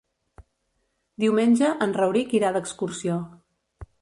Diumenge en Rauric irà d'excursió.